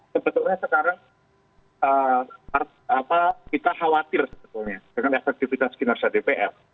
sebetulnya sekarang kita khawatir sebetulnya dengan efektivitas kinerja dpr